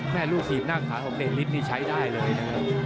แม่ลูกศีบหน้าขาของเดลิสนี่ใช้ได้เลยนะครับ